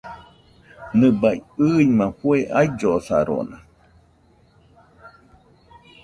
Nɨbaɨ ɨima fue aillosarona.